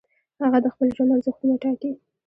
هغه د خپل ژوند ارزښتونه ټاکي.